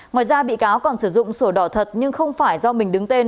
ngoài ra bị cáo còn sử dụng sổ đỏ thật nhưng không phải do mình đứng tên